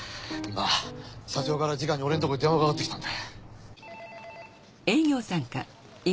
今社長からじかに俺んとこに電話かかってきたんだ。